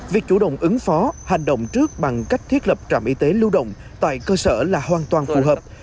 việc chủ động ứng phó hành động trước bằng cách thiết lập trạm y tế lưu động tại cơ sở là hoàn toàn phù hợp